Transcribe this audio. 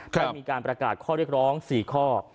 ได้มีการประกาศข้อเรียกร้อง๔ข้อ